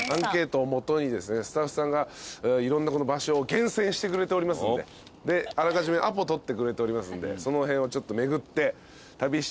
スタッフさんがいろんな場所を厳選してくれておりますんであらかじめアポ取ってくれておりますんでその辺をちょっと巡って旅していこうと思います。